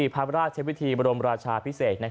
พระราชวิธีบรมราชาพิเศษ